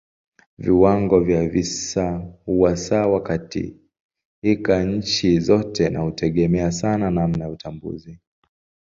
Viwango vya visa huwa sawa katika nchi zote na hutegemea sana namna ya utambuzi.